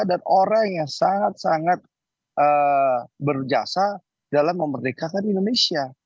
dan orang yang sangat sangat berjasa dalam memerdekakan indonesia